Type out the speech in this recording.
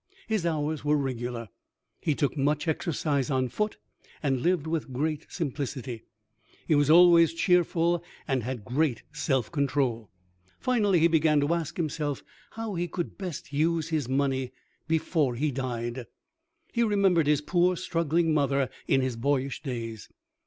His hours were regular. He took much exercise on foot, and lived with great simplicity. He was always cheerful, and had great self control. Finally he began to ask himself how he could best use his money before he died. He remembered his poor struggling mother in his boyish days.